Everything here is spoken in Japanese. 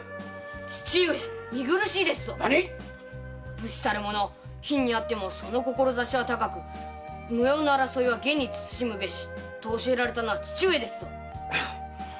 武士たる者貧にあっても志は高く無用の争いは厳に慎むべしと教えられたのは父上ですぞ！